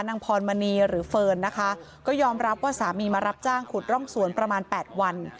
นางพรมณีหรือเฟิร์นนะคะก็ยอมรับว่าสามีมารับจ้างขุดร่องสวนประมาณ๘วัน